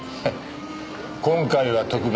今回は特別です。